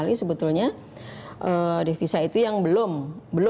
bagi siapapun pemilik dollar atau valuta yang lain untuk menginvestkan dananya di dalam negeri